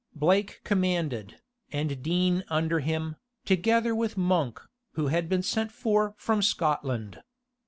Blake commanded, and Dean under him, together with Monk, who had been sent for from Scotland.